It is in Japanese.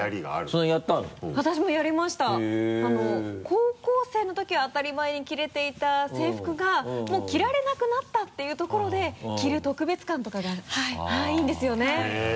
高校生のときは当たり前に着れていた制服がもう着られなくなったっていうところで着る特別感とかがいいんですよねはい。